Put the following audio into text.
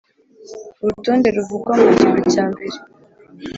urutonde ruvugwa mu gika cya mbere